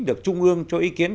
được trung ương cho ý kiến